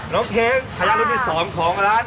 ลงเทคขยะรุ่นที่สองของร้าน